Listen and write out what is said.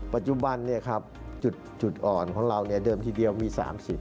ปัจจุบันเนี่ยครับจุดอ่อนของเราเนี่ยเดิมทีเดียวมีสามสิบ